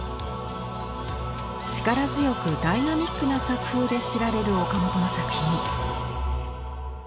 力強くダイナミックな作風で知られる岡本の作品。